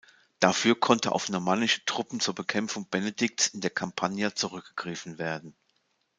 Dafür konnte auf normannische Truppen zur Bekämpfung Benedikts in der Campania zurückgegriffen werden.